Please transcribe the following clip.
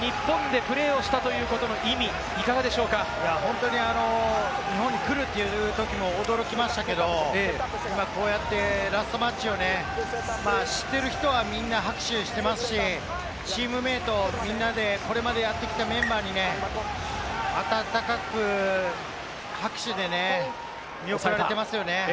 大西さん、このクロッティが日本でプレーをしたということの意味、いかがで日本に来るという時は驚きましたけれども、今こうやってラストマッチをね、知っている人はみんな拍手していますし、チームメート、みんなでこれまでやってきたメンバーにね、温かく拍手でね、見送られていますよね。